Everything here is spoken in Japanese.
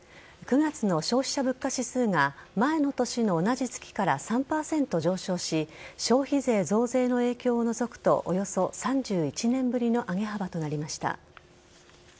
９月の消費者物価指数が前の年の同じ月から３％上昇し消費税増税の影響を除くとおよそ３１年ぶりの上げ幅となりました。